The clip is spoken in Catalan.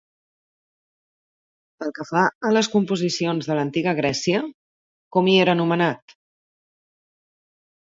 Pel que fa a les composicions de l'antiga Grècia, com hi era anomenat?